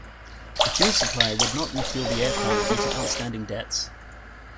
The fuel supplier would not refuel the aircraft due to outstanding debts.